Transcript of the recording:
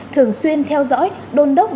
thường xuyên theo dõi đôn đốc